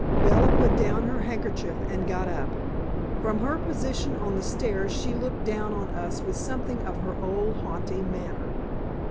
Bella put down her handkerchief and got up. From her position on the stairs she looked down on us with something of her old haughty manner.